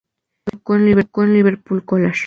Se educó en el Liverpool College.